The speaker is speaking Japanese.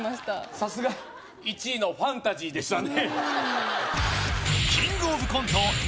さすが１位のファンタジーでしたね